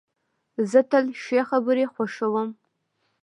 زه تل ښې خبري خوښوم.